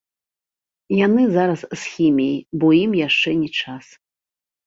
Яны зараз з хіміяй, бо ім яшчэ не час.